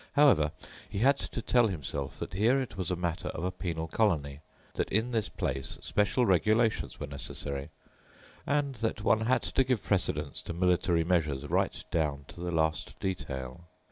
However, he had to tell himself that here it was a matter of a penal colony, that in this place special regulations were necessary, and that one had to give precedence to military measures right down to the last detail.